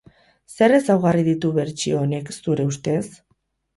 Zer ezaugarri ditu bertsio honek, zure ustez?